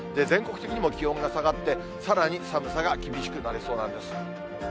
全国的にも気温が下がって、さらに寒さが厳しくなりそうなんです。